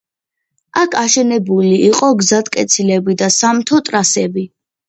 აქ აშენებული იყო გზატკეცილები და სამთო ტრასები.